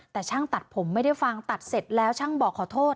แต่ช่างตัดผมไม่ได้ฟังตัดเสร็จแล้วช่างบอกขอโทษ